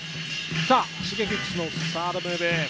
Ｓｈｉｇｅｋｉｘのサードムーブ。